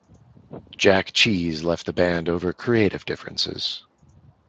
Jack Cheeze left the band over creative differences.